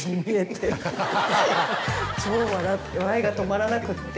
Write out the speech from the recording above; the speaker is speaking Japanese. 超笑いが止まらなくって。